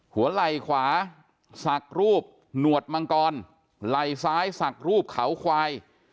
หัวไหล่ขวาสักรูปหนวดมังกรไหล่ซ้ายสักรูปเขาควาย